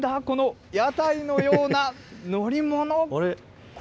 この屋台のような乗り物。